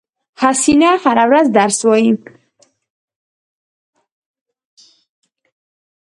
حسینه هره ورځ درس وایی